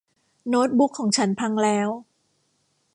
โน้ตบุ๊คของฉันพังแล้ว